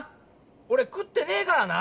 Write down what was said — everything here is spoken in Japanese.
おれ食ってねえからな！